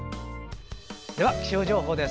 では気象情報です。